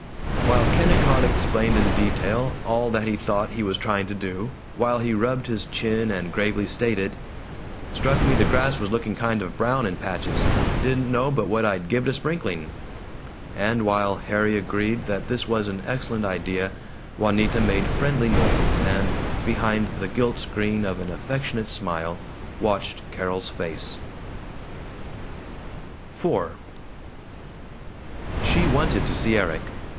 While Kennicott explained in detail all that he thought he was trying to do, while he rubbed his chin and gravely stated, "Struck me the grass was looking kind of brown in patches didn't know but what I'd give it a sprinkling," and while Harry agreed that this was an excellent idea, Juanita made friendly noises and, behind the gilt screen of an affectionate smile, watched Carol's face. IV She wanted to see Erik.